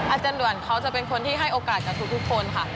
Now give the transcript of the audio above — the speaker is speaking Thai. อาจารย์ด่วนเขาจะเป็นคนที่ให้โอกาสกับทุกคนค่ะ